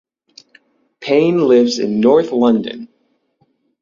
Payne lives in North London.